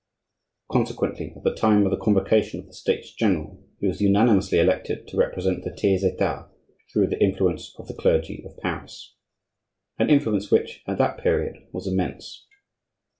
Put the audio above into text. Consequently, at the time of the convocation of the States General he was unanimously elected to represent the tiers etat through the influence of the clergy of Paris,—an influence which at that period was immense.